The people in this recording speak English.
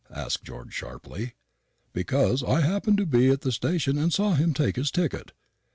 asked George sharply. "Because I happened to be at the station and saw him take his ticket.